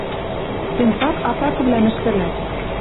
Тӹнь так атакывлӓм ӹштӹлӓт.